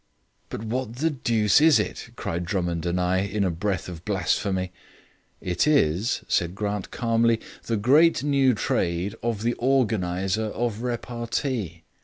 "But what the deuce is it?" cried Drummond and I in a breath of blasphemy. "It is," said Grant calmly, "the great new trade of the Organizer of Repartee.